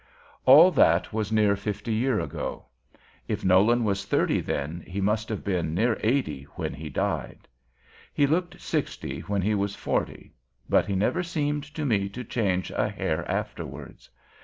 All that was near fifty years ago. If Nolan was thirty then, he must have been near eighty when he died. He looked sixty when he was forty. But he never seemed to me to change a hair afterwards.